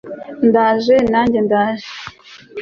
ndaje, nanjye ndaje